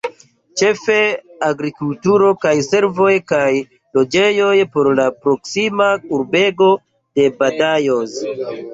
Ĉefe agrikulturo kaj servoj kaj loĝejoj por la proksima urbego de Badajoz.